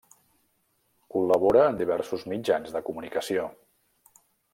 Col·labora en diversos mitjans de comunicació.